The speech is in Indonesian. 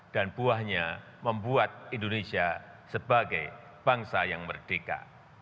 dan buahnya membuat indonesia sebagai bangsa yang merdeka